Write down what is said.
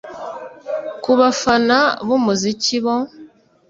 Ku bafana b’umuziki bo